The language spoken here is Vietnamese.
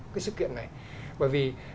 cái sự kiện này bởi vì